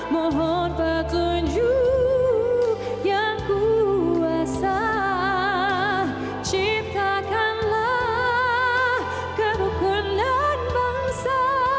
mohon petunjuk yang kuasa ciptakanlah kerukunan bangsa